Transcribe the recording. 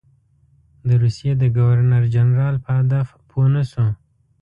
د روسیې د ګورنر جنرال په هدف پوه نه شو.